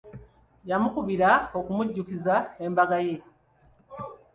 Yamukubira okumujjukiza embaga ye.